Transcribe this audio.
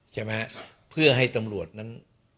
ใช่ไหมครับเพื่อให้ตำรวจนั้น